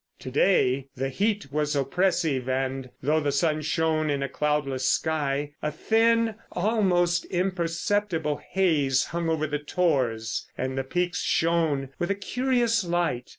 To day the heat was oppressive, and though the sun shone in a cloudless sky a thin, almost imperceptible, haze hung over the tors, and the peaks shone with a curious light.